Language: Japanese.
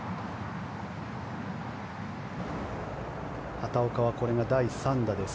畑岡はこれが第３打です。